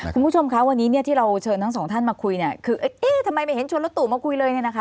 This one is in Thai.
คุณผู้ชมคะวันนี้ที่เราเชิญทั้ง๒ท่านมาคุยทำไมไม่เห็นชวนรถตู้มาคุยเลย